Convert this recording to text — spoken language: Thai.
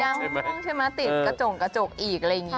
ยางมะม่วงใช่ไหมติดกระจกอีกอะไรอย่างนี้